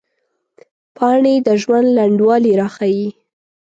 پاڼې د ژوند لنډوالي راښيي